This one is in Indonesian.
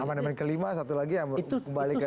amat namanya kelima satu lagi yang kembali ke